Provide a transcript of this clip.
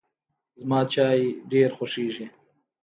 زما چای ډېر خوښیږي.